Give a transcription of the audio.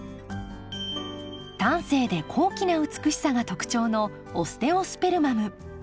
端正で高貴な美しさが特徴のオステオスペルマム。